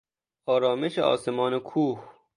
آرامش آسمان و کوه